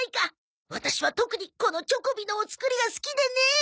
ワタシは特にこのチョコビのお造りが好きでねえ。